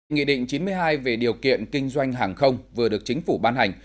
nghị định chín mươi hai về điều kiện kinh doanh hàng không vừa được chính phủ ban hành